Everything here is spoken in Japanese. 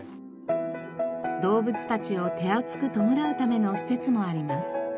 動物たちを手厚く弔うための施設もあります。